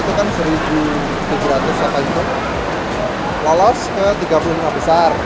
itu kan seribu tujuh ratus apa itu lolos ke tiga puluh lima besar